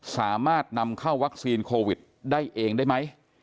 สามารถนำเข้าวัคซีนโควิดได้เองได้ไหม